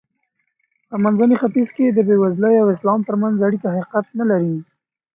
په منځني ختیځ کې د بېوزلۍ او اسلام ترمنځ اړیکه حقیقت نه لري.